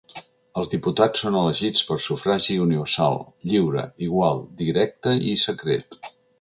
Els diputats són elegits per sufragi universal, lliure, igual, directe i secret.